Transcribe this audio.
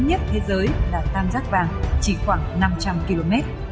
tâm ma túy lớn nhất thế giới là tam giác vàng chỉ khoảng năm trăm linh km